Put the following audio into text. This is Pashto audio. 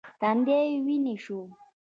تندی یې ویني شو .